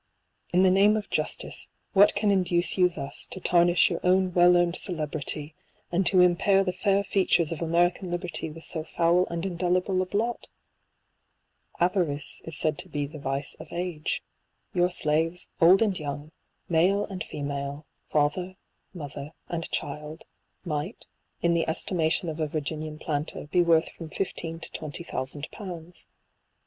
In the name of justice, what can induce you thus to tarnish your own well earned celebrity, and to impair 180 the fair features of American liberty with so foul and indelible a blot ? Avarice is said to be the vice of age. Your slaves, old and young, male and female, father, mother, and child, might, in the estimation of a Virgi nian planter, be worth from fifteen to twenty thousand pounds.